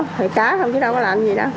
thì cá không chứ đâu có làm gì đâu